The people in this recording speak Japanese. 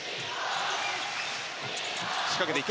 仕掛けていく。